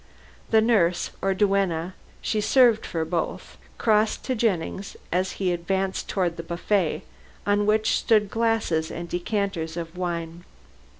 The nurse, or duenna she served for both crossed to Jennings as he advanced towards the buffet, on which stood glasses and decanters of wine.